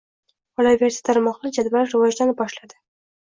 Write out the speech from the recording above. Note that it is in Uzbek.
Qolaversa, tarmoqlar jadal rivojlana boshlanadi.